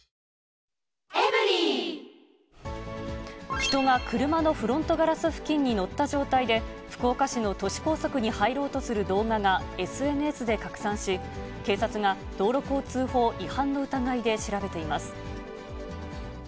人が車のフロントガラス付近に乗った状態で、福岡市の都市高速に入ろうとする動画が、ＳＮＳで拡散し、警察が道路交通法違反の疑いで調べています。